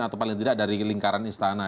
atau paling tidak dari lingkaran istana